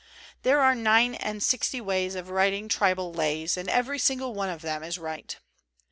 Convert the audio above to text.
" There are nine and sixty ways of writing tribal lays; and every single one of them is right."